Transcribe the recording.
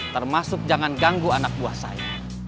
termasuk jangan ganggu anak buah saya